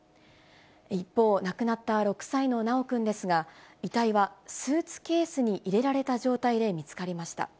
一方、亡くなった６歳の修くんですが、遺体はスーツケースに入れられた状態で見つかりました。